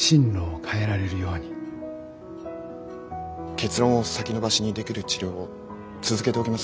結論を先延ばしにできる治療を続けておきませんか？